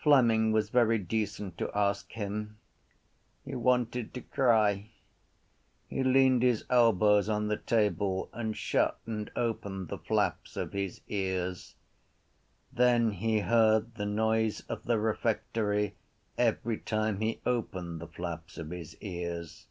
Fleming was very decent to ask him. He wanted to cry. He leaned his elbows on the table and shut and opened the flaps of his ears. Then he heard the noise of the refectory every time he opened the flaps of his ears.